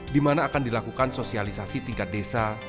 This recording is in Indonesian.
di mana akan dilakukan sosialisasi tingkat desa